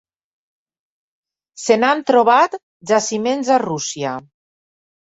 Se n'han trobat jaciments a Rússia.